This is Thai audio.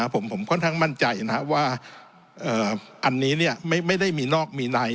ผมค่อนข้างมั่นใจนะครับว่าอันนี้ไม่ได้มีนอกมีใน